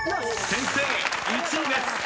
［「先生」１位です］